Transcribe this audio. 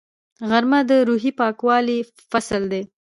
غرمه د روحي پاکوالي فصل دی